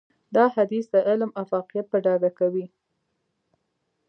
دا حديث د علم افاقيت په ډاګه کوي.